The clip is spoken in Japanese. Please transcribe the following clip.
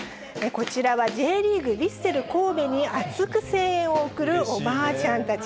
こちらは、Ｊリーグ・ヴィッセル神戸に熱く声援を送るおばあちゃんたち。